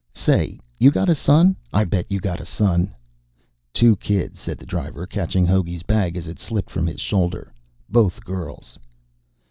"Say, you gotta son? I bet you gotta son." "Two kids," said the driver, catching Hogey's bag as it slipped from his shoulder. "Both girls."